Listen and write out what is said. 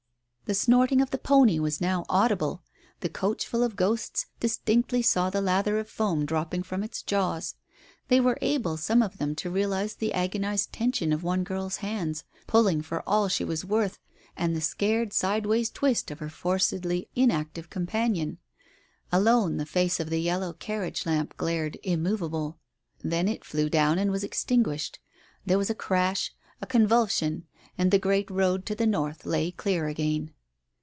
The snorting of the pony was now audible. The coach* ful of ghosts distinctly saw the lather of foam dropping from its jaws. They were able, some of them, to realize the agonized tension of one girl's hands, pulling for all she was worth, and the scared sideways twist of her forcedly inactive companion. Alone the face of the yellow carriage lamp glared, immovable. ... Then it flew down, and was extinguished. There was a crash, a convulsion — and the great road to the north lay clear again.